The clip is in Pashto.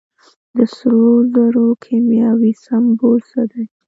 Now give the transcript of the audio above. د سرو زرو کیمیاوي سمبول څه دی.